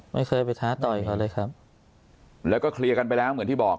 ไม่เคยไปท้าต่อยเขาเลยครับแล้วก็เคลียร์กันไปแล้วเหมือนที่บอก